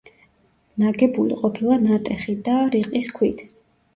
ნაგებული ყოფილა ნატეხი და რიყის ქვით.